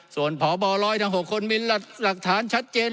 ส่วนผอบ่อร้อยทั้ง๖คนมีหลักฐานชัดเจน